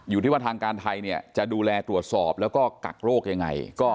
อยู่ที่ว่าทางการไทยเนี่ยจะดูแลตรวจสอบแล้วก็กักโรคยังไง